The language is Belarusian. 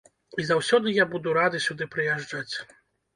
І заўсёды я буду рады сюды прыязджаць.